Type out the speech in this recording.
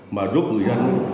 mà giúp người dân